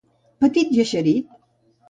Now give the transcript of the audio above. Petit i eixerit.